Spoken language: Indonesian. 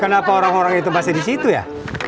kenapa orang orang itu masih disitu ya